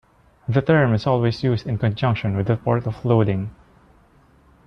The term is always used in conjunction with a port of loading.